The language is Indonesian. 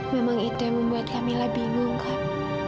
memang itu yang membuat kamila bingung kak